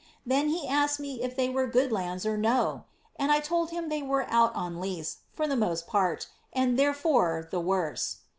Then he asked me if they were good lands or no ? and 1 told him they were out on lease, for the most part, and therefore the worse.'